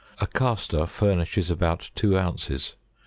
A Castor furnishes about two ounces.